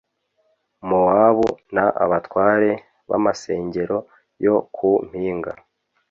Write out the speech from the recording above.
Mowabu N abatware b’ amasengero yo ku mpinga